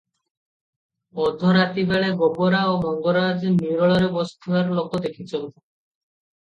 ଅଧରାତିବେଳେ ଗୋବରା ଓ ମଙ୍ଗରାଜ ନିରୋଳାରେ ବସିଥିବାର ଲୋକ ଦେଖିଛନ୍ତି ।